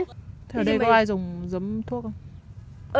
thế ở đây có ai dùng dấm thuốc không